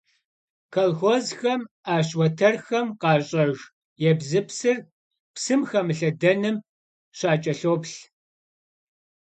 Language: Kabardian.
Kolxozxem 'eş vueterxem khaş'ejj yêbzıpsır psım xemılhedenım şaç'elhoplh.